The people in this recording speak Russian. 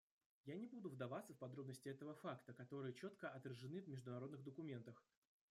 Я не буду вдаваться в подробности этого факта, которые четко отражены в международных документах.